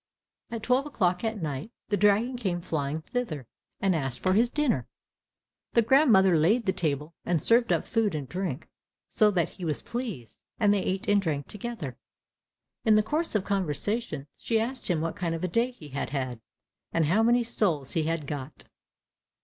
At twelve o'clock at night, the dragon came flying thither, and asked for his dinner. The grandmother laid the table, and served up food and drink, so that he was pleased, and they ate and drank together. In the course of conversation, she asked him what kind of a day he had had, and how many souls he had got?